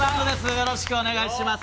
よろしくお願いします。